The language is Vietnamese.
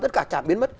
tất cả chả biến mất